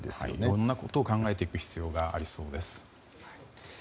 いろんなことを考えていく必要がありそうです。